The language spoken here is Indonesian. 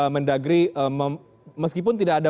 mendagri meskipun tidak ada